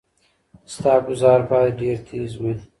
ستا ګوزار باید ډیر تېز وي.